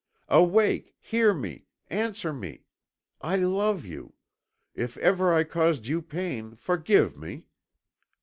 Awake, hear me! Answer me; I love you; if ever I caused you pain, forgive me.